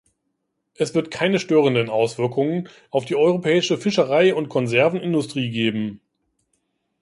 Es wird keine störenden Auswirkungen auf die europäische Fischerei- und Konservenindustrie geben.